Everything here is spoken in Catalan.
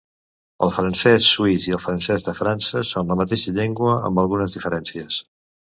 El francès suís i el francès de França són la mateixa llengua amb algunes diferències.